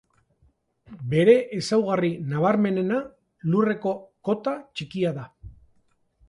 Bere ezaugarri nabarmenena lurreko kota txikia da.